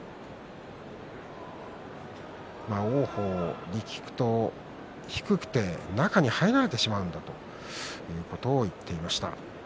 王鵬に聞きますとと、低くて中に入られてしまうんだとそういう話をしていました。